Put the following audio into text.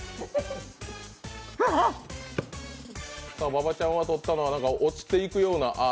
馬場ちゃんがとったのは、落ちていくような「あ」。